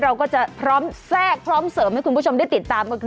เราก็จะพร้อมแทรกพร้อมเสริมให้คุณผู้ชมได้ติดตามก็คือ